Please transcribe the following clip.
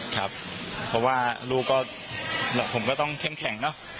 ครับเพราะว่าลูกก็ผมก็ต้องเข้มแข็งเนอะ